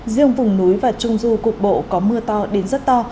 riêng vùng núi và trung du cục bộ có mưa to đến rất to